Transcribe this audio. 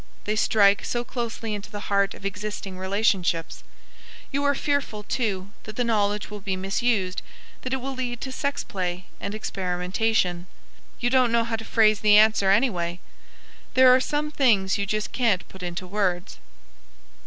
They strike so closely into the heart of existing relationships. You are fearful, too, that the knowledge will be misused, that it will lead to sex play and experimentation. You don't know how to phrase the answer anyway. There are some things you just can't put into words!